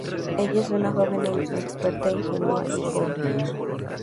Ella es una joven inexperta, ingenua y pobre.